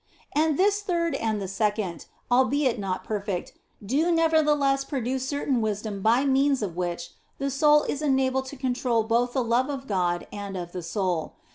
And this third and the second (albeit not perfect), do nevertheless produce certain wisdom by means of which the soul is enabled to control both the love of God and of the soul.